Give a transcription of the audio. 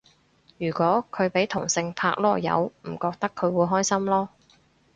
如果佢俾同性拍籮柚唔覺佢會開心囉